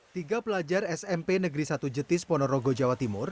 tiga pelajar smp negeri satu jetis ponorogo jawa timur